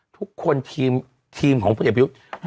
ทุกคนทีมทีมของภรรยักษ์พลุลิปอ๋อ